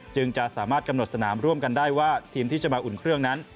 จึงจะสามารถกำหนดสนามร่วมกันได้ว่าทีมที่จะมาอุ่นเครื่องนั้น